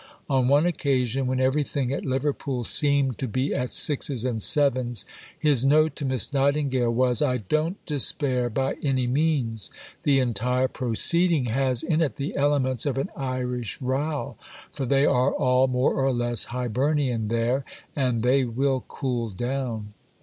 On one occasion, when everything at Liverpool seemed to be at sixes and sevens, his note to Miss Nightingale was: "I don't despair by any means. The entire proceeding has in it the elements of an Irish row, for they are all more or less Hibernian there, and they will cool down."